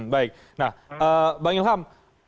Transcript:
baik bang ilham